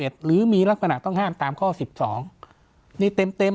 เอ็ดหรือมีลักษณะต้องห้ามตามข้อสิบสองนี่เต็มเลย